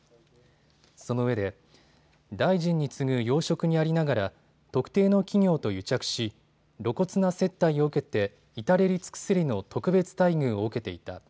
そのうえで、大臣に次ぐ要職にありながら特定の企業と癒着し露骨な接待を受けて至れり尽くせりの特別待遇を受けていた。